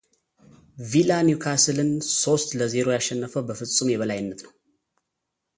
ቪላ ኒውካስልን ሶስት ለ ዜሮ ያሸነፈው በፍጹም የበላይነት ነው።